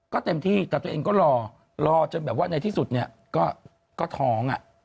ก็เต็มที่แต่ตัวเองก็รอรอจนแบบว่าในที่สุดเนี่ยก็ท้อง